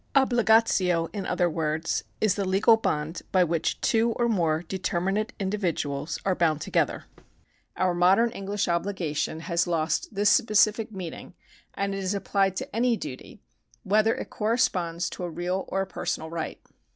Ohligatio, in other words, is the legal bond by which two or more determinate individuals are bound together. Our modern Enghsh obligation has lost this specific meaning, and is applied to any duty, whether it corresponds to a real or to a personal right.